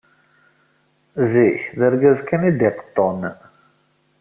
Zik, d argaz kan i d-iqeṭṭun.